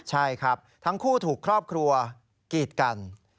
ใช่ครับทั้งคู่ถูกครอบครัวกีดกัน